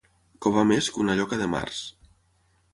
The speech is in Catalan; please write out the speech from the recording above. Covar més que una lloca de març.